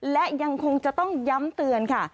และยังคงจะต้องย้ำเตือนค่ะ